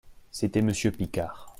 C'était monsieur Picard.